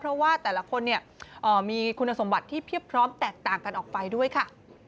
เพราะว่าแต่ละคนเนี่ยมีคุณสมบัติที่เพียบพร้อมแตกต่างกันออกไปด้วยค่ะ